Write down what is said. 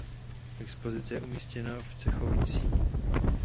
Expozice je umístěna v cechovní síni.